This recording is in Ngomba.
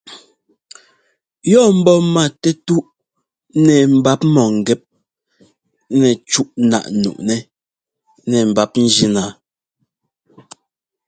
Yɔ́ ḿbɔ́ matɛtúꞌ nɛ mbap mɔ̂ŋgɛ́p ŋgɛ cúꞌ náꞌ nuꞌnɛ́ nɛ mbap njína.